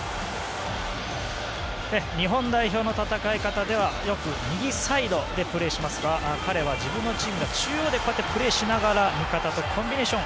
日本代表の戦い方ではよく右サイドでプレーしますが彼は自分のチームだと中央でプレーしながら味方とコンビネーション。